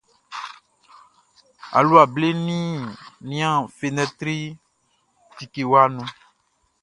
Alua ble nian fenɛtri tikewa nu.